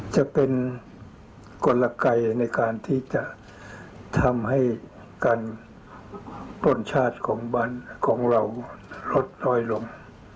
จะเป็นกลไกในการที่จะทำให้การปล้นชาติของบ้านของเราลดน้อยลง